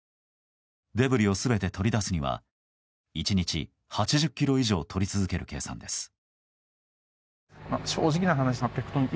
デブリを全て取り出すには１日８０ｋｇ以上取り続ける計算です。